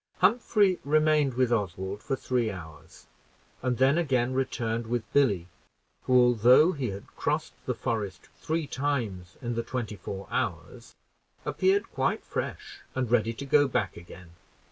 Humphrey remained with Oswald for three hours, and then again returned with Billy, who, although he had crossed the forest three times in the twenty four hours, appeared quite fresh and ready to go back again.